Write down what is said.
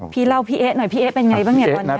พี่เอ๊ะเป็นไงบางเอง